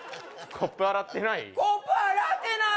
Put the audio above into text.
コップ洗ってない！